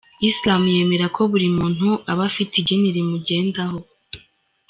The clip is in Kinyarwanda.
Islam yemera ko buri muntu aba afite igini rimugendaho.